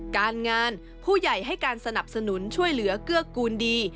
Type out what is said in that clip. การงานผู้ใหญ่ให้การสนับสนุนช่วยเหลือเกื้อกูลดี